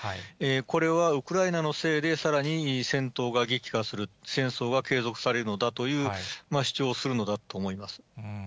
これは、ウクライナのせいで、さらに戦闘が激化する、戦争が継続されるのだという主張をするのだと思います。